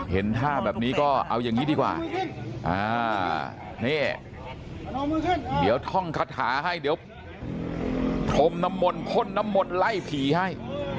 เห็นท่าแบบนี้ก็เอาอย่างนี้ดีกว่านี่เดี๋ยวท่องคาถาให้เดี๋ยวพรมน้ำมนต์พ่นน้ำมนต์ไล่ผีให้